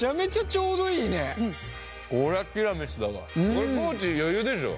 これ地余裕でしょ？